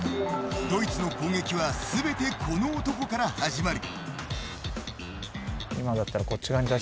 ドイツの攻撃は全てこの男から始まる。